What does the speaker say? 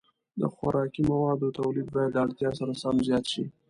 د خوراکي موادو تولید باید د اړتیا سره سم زیات شي.